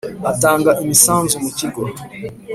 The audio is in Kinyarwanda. atanga imisanzu mu kigo